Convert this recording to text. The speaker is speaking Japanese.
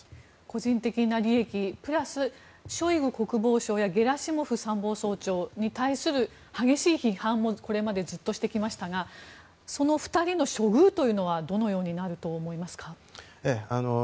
プラスショイグ国防相やゲラシモフ参謀総長に対する激しい批判もこれまでずっとしてきましたがその２人の処遇というのはどのようになると思いますか。